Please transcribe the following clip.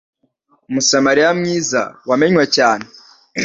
Umusamariya mwiza wamenywe cyane